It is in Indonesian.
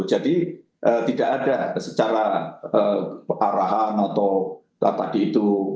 jadi tidak ada secara arahan atau tadi itu